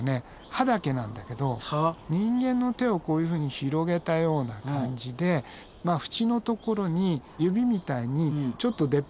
歯だけなんだけど人間の手をこういうふうに広げたような感じでふちのところに指みたいにちょっと出っ張りがあってね。